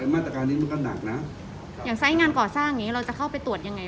มาตรการนี้มันก็หนักนะอย่างไซส์งานก่อสร้างอย่างงี้เราจะเข้าไปตรวจยังไง